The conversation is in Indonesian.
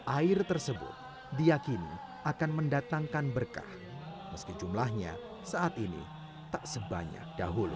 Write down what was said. air tersebut diakini akan mendatangkan berkah meski jumlahnya saat ini tak sebanyak dahulu